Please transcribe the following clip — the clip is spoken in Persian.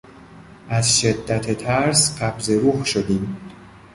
از شدت ترس قبض روح شدیم.